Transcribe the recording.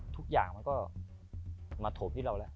ทุกอย่างก็ถูกทอบได้จากพี่เรา